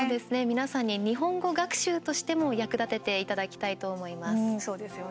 皆さんに日本語学習としても役立てていただきたいと思います。